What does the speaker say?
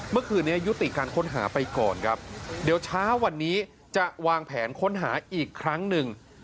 เมื่อคืนนี้ยุติการค้นหาไปก่อนครับเดี๋ยวเช้าวันนี้จะวางแผนค้นหาอีกครั้งหนึ่ง